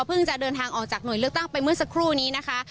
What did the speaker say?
จะเดินทางออกจากหน่วยเลือกตั้งไปเมื่อสักครู่นี้นะคะ